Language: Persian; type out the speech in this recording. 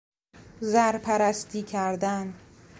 زرپرستی کردن